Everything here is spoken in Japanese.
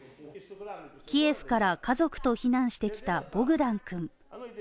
キエフから家族と避難してきたボグダン君。